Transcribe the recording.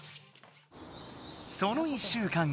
その１週間後。